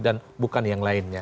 dan bukan yang lainnya